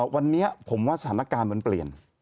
วันนี้ผมว่าสถานการณ์มันเปลี่ยน